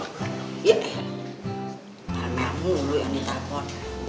mana kamu yang ditelepon